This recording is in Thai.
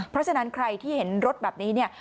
เพราะฉะนั้นใครที่เห็นรถแบบนี้เนี่ย